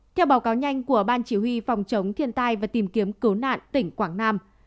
theo báo cáo nhanh của ban chỉ huy phòng chống thiên tai và tìm kiếm cứu nạn tỉnh quảng nam